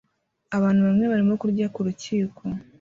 Abantu bamwe barimo kurya ku rukiko